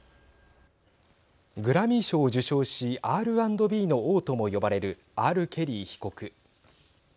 グラミー賞を受賞しＲ＆Ｂの王とも呼ばれるＲ・ケリー被告。